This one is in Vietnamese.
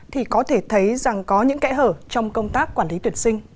thì có thể thấy rằng có những kẽ hở trong công tác quản lý tuyển sinh